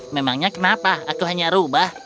memangnya kenapa aku hanya rubah